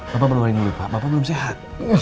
bapak meluarin dulu pak bapak belum sehat